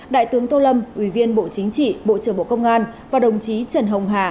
đại tướng tô lâm ủy viên bộ chính trị bộ trưởng bộ công an và đồng chí trần hồng hà